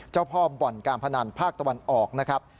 เจ้าพ่อบ่อนการพนันภาคตะวันออกนะครับ